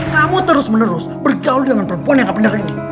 kamu terus menerus bergaul dengan perempuan yang tak bener bener lo